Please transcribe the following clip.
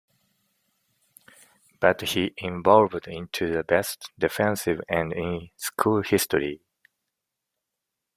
But he evolved into the best defensive end in school history.